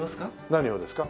何をですか？